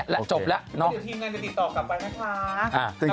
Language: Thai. แล้วจบแล้วเนาะ